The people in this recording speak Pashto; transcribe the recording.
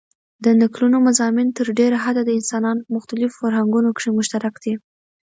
د نکلونو مضامن تر ډېره حده دانسانانو په مختلیفو فرهنګونو کښي مشترک دي.